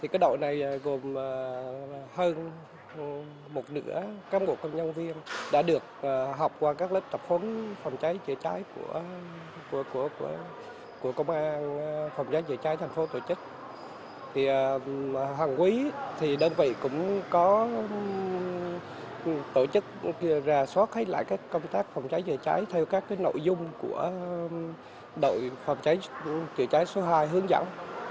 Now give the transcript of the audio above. hàng quý thì đơn vị cũng có tổ chức ra soát hay lại các công tác phòng cháy chữa cháy theo các nội dung của đội phòng cháy chữa cháy số hai hướng dẫn